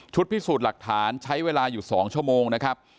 พิสูจน์หลักฐานใช้เวลาอยู่๒ชั่วโมงนะครับ